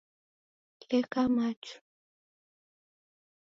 Leka machu.